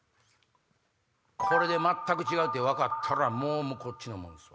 これで全く違うと分かったらもうこっちのもんですわ。